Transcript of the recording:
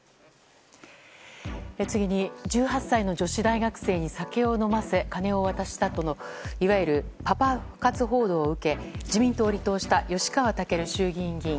次に１８歳の女子大学生に酒を飲ませ金を渡したとのいわゆるパパ活報道を受け自民党を離党した吉川赳衆議院議員。